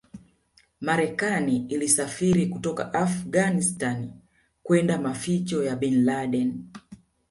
Marekani ilisafiri kutoka Afghanistan kwenda maficho ya Bin Laden